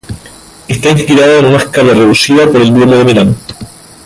Está inspirada, en una escala reducida, por el Duomo de Milán.